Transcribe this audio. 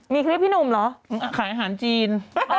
มีคลิปพี่หนุ่มเหรอขายอาหารจีน